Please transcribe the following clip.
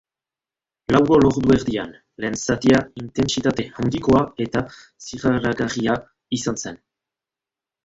Lau gol ordu erdian, lehen zatia intentsitate handikoa eta zirraragarria izan zen.